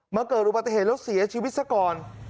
เกิดอุบัติเหตุแล้วเสียชีวิตซะก่อน